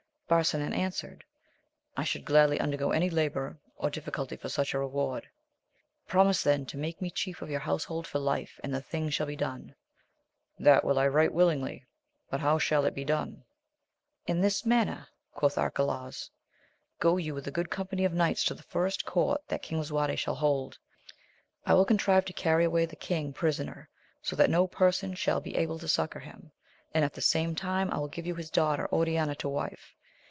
Barsinan answered, I should gladly undergo any labour or diffi culty for such a reward. — Promise then, to make me* chief of your household for life, and the thing shall be done. — That will I right willingly ; but how shall it be done ? In this manner, quoth Arcalaus : Go you with a good company of knights to the first courfthat King Lisuarte shall hold. I will contrive to cany away the king prisoner, so that no person shall be able to succour him, and at the same time I will give you his daughter Oriana to wife.